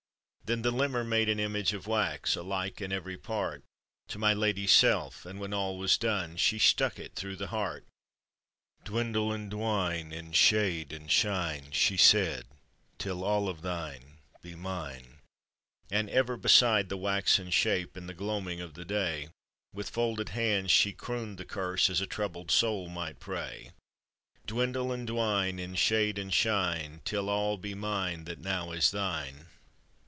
Then the limmer made an image of wax, Alike in every part To my lady's self, and when all was done, She stuck it through the heart: " Dwindle and dwine in shade and shine," She said, "till all of thine be mine." And ever beside the waxen shape In the gloaming of the day, With folded hands she crooned the curse As a troubled soul might pray: " Dwindle and dwine in shade and shine, Till all be mine that now is thine."